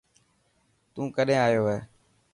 تون ڪڏهن آيو هي.